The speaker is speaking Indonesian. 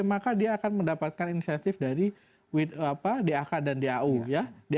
maka dia akan mendapatkan insentif dari dak dan dau ya